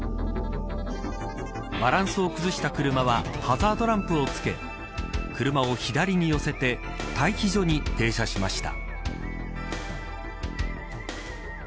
バランスを崩した車はハザードランプをつけ車を左に寄せて待避所に停車しました。